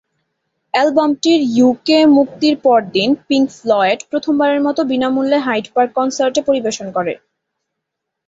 অ্যালবামটির UK মুক্তির পর দিন, পিংক ফ্লয়েড প্রথমবারের মতো বিনামূল্যে হাইড পার্ক কনসার্টে পরিবেশন করে।